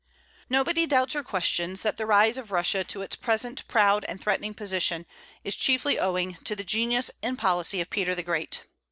Nobody doubts or questions that the rise of Russia to its present proud and threatening position is chiefly owing to the genius and policy of Peter the Great.